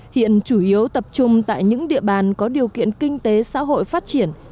hiện chủ yếu tập trung tại những địa bàn có điều kiện kinh tế xã hội phát triển